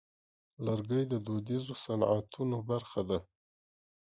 لرګی د دودیزو صنعتونو برخه ده.